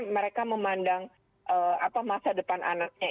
mereka memandang masa depan anaknya